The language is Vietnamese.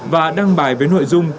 và đăng bài với nội dung